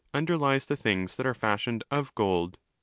each of the things that are 'fashioned of gold'.